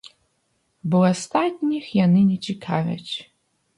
Бо астатніх яны не цікавяць.